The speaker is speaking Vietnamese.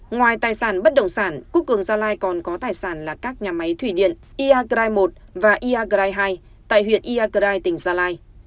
ngoài tài sản bất động sản quốc cường gia lai còn có tài sản là các nhà máy thủy điện iagrai i và iagrai ii tại huyện iagrai tỉnh gia lai